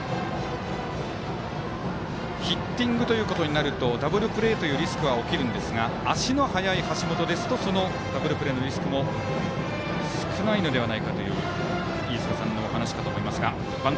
ヒッティングということになるとダブルプレーというリスクは起きますが足の速い橋本だとダブルプレーのリスクも少ないのではないかという飯塚さんのお話。